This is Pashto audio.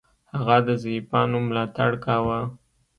هغه د ضعیفانو ملاتړ کاوه.